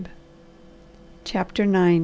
CHAPTER IX.